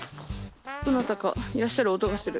どなたかいらっしゃる音がする。